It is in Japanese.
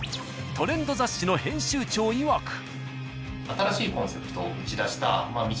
トレンド雑誌の編集長いわく。